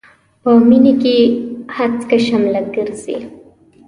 په مينې کې هسکه شمله ګرځي.